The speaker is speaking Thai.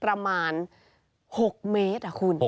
ประมาณ๖เมตรคุณ